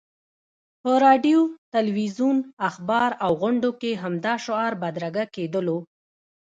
په راډیو، تلویزیون، اخبار او غونډو کې همدا شعار بدرګه کېدلو.